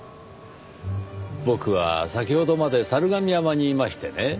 僕は先ほどまで猿峨見山にいましてね